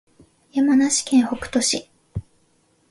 山梨県北杜市